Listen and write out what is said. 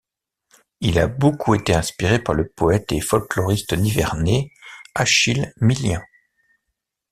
Il a beaucoup été inspiré par le poète et folkloriste Nivernais Achille Millien.